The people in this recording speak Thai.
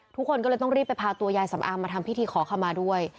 ทุกคนก็เลยต้องรีบไปพาตัวยายสำอางมาทำพิธีขอขมาด้วย